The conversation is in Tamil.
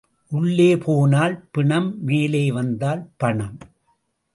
உள்ளே போனால் பிணம் மேலே வந்தால் பணம்.